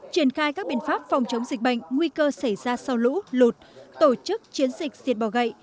triển khai các biện pháp phòng chống dịch bệnh nguy cơ xảy ra sau lũ lụt tổ chức chiến dịch diệt bỏ gậy